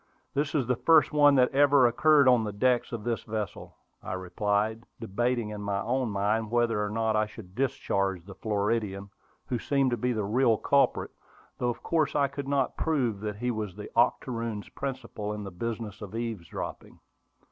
This is the first one that ever occurred on the decks of this vessel," I replied, debating in my own mind whether or not I should discharge the Floridian, who seemed to be the real culprit, though of course I could not prove that he was the octoroon's principal in the business of eavesdropping.